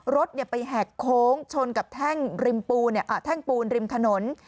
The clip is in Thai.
รถไปแหกโค้งชนกับแท่งปูนริมถนน